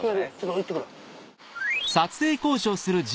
行って来る。